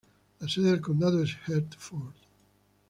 La sede del condado es Hertford.